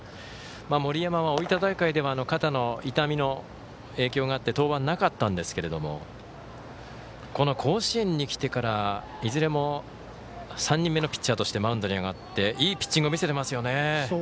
森山は大分大会では肩の痛みの影響があって登板がなかったんですけれどもこの甲子園にきてからいずれも３人目のピッチャーとしてマウンドに上がっていいピッチングを見せていますね。